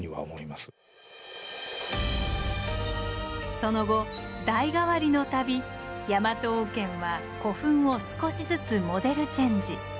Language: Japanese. その後代替わりの度ヤマト王権は古墳を少しずつモデルチェンジ。